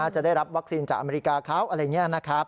จะได้รับวัคซีนจากอเมริกาเขาอะไรอย่างนี้นะครับ